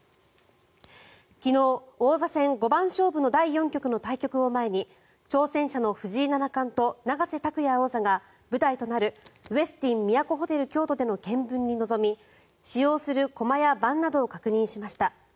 昨日、王座戦五番勝負の第４局の対局を前に挑戦者の藤井七冠と永瀬拓矢王座が舞台となるウェスティン都ホテル京都での検分に臨み使用する駒や盤などを確認しました。